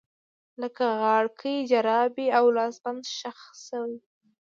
لکه غاړکۍ، جرابې او لاسبند ښخ شوي